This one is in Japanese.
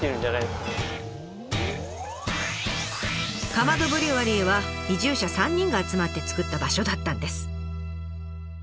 カマドブリュワリーは移住者３人が集まってつくった場所だったんです。